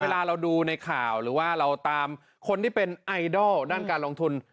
เวลาเราดูในข่าวหรือว่าเราตามคนที่เป็นไอดอลด้านการลงทุน